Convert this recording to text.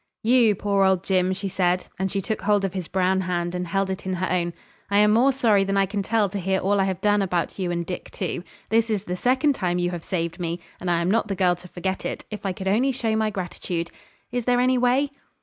'You, poor old Jim,' she said, and she took hold of his brown hand and held it in her own, 'I am more sorry than I can tell to hear all I have done about you and Dick too. This is the second time you have saved me, and I am not the girl to forget it, if I could only show my gratitude. Is there any way?'